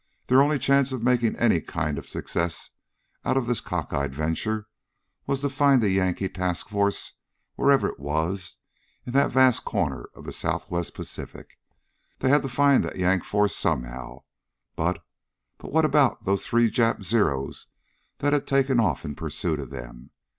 Their only chance of making any kind of a success out of this cockeyed venture was to find the Yank task force wherever it was in that vast corner of the Southwest Pacific. They had to find that Yank force somehow, but but what about those three Jap Zeros that had taken off in pursuit of them?